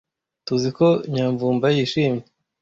Tuziko Nyamvumba yishimye.